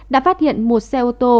đã phát hiện một xe ô tô